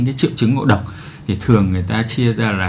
cái triệu chứng ngộ độc thì thường người ta chia ra là